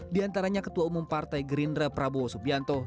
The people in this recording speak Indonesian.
diantaranya ketua umum partai gerindra prabowo subianto